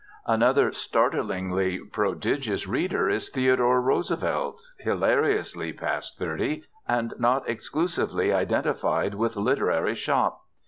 Another startlingly prodigious reader is Theodore Roosevelt, hilariously past thirty, and not exclusively identified with literary "shop."